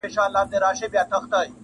شیخ یې خوله غوږ ته نیژدې کړه چي واکمنه!!